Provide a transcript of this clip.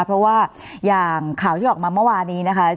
เพราะว่าอย่างข่าวที่ออกมาเมื่อวานนี้นะคะ